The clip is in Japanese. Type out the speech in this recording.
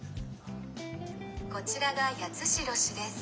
「こちらが八代市です」。